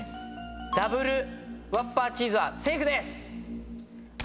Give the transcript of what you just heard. ダブルワッパーチーズはセーフです。